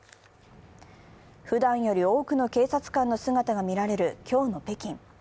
ふだんより多くの警察官の姿が見られる今日の北京。